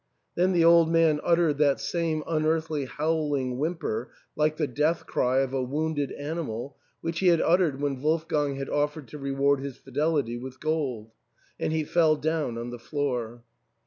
" Then the old man uttered that same unearthly howling whimper, like the death cry of a wounded animal, which he had uttered when Wolfgang had offered to reward his fidelity with gold ; and he fell down on the floor.